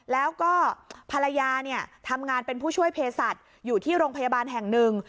แล้วก็ภรรยาเนี่ยทำงานเป็นผู้ช่วยเพศัตริย์อยู่ที่โรงพยาบาลแห่งหนึ่ง